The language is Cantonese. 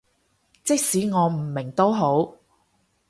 即使我唔明都好